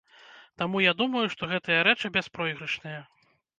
Таму я думаю, што гэтыя рэчы бяспройгрышныя.